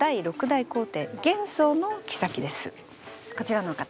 私はこちらの方。